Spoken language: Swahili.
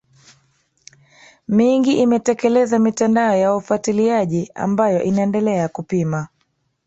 mingi imetekeleza mitandao ya ufuatiliaji ambayo inaendelea kupima